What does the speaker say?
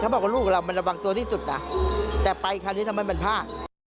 ซาบอกว่าลูกเรามันระวังตัวในที่สุดแต่ไปอีกทีทำไมมันพลาด